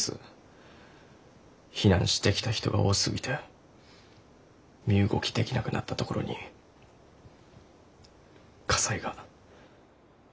避難してきた人が多すぎて身動きできなくなったところに火災が。